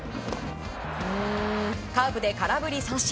カーブで空振り三振。